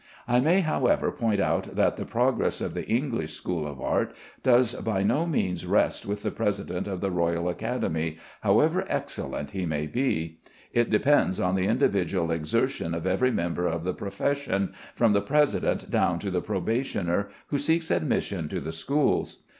I may, however, point out that the progress of the English school of art does by no means rest with the President of the Royal Academy (however excellent he may be); it depends on the individual exertion of every member of the profession, from the President down to the probationer who seeks admission to the schools.